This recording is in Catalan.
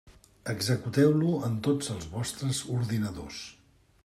Executeu-lo en tots els vostres ordinadors.